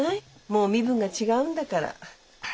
もう身分が違うんだから。